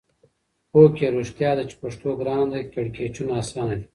هو کې! رښتیا ده چې پښتو ګرانه ده کیړکیچو اسانه ده.